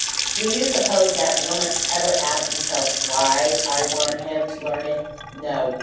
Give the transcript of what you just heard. Do you suppose that lummix ever asked himself WHY I want him to learn it? No!